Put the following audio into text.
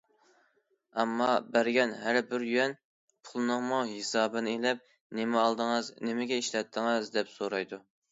ئەمما بەرگەن ھەر بىر يۈەن پۇلنىڭمۇ ھېسابىنى ئېلىپ‹‹ نېمە ئالدىڭىز؟ نېمىگە ئىشلەتتىڭىز›› دەپ سورايدۇ.